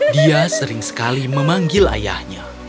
dia sering sekali memanggil ayahnya